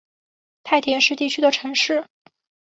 太田市地区的城市。